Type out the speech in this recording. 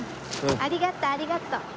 ありがとうありがとう。